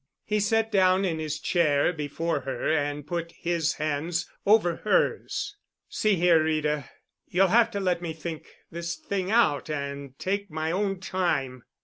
He sat down in his chair before her and put his hands over hers. "See here, Rita. You'll have to let me think this thing out and take my own time.